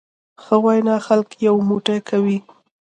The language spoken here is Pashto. ښه وینا خلک یو موټی کوي.